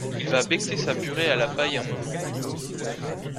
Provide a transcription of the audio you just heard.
Il va becqueter sa purée à la paille un moment.